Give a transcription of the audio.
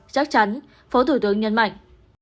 chắc chắn phó thủ tướng nhấn mạnh